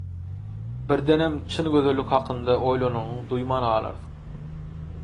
Birdenem çyn gözellik hakynda oýlananyňy duýman galarsyň.